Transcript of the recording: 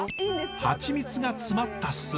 ハチミツが詰まった巣。